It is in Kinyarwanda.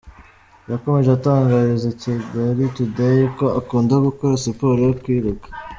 yakomeje atangariza Kigali Tudeyi ko akunda gukora siporo yo kwiruka.